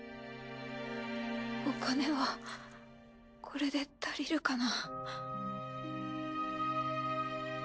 お金はこれで足りるかな。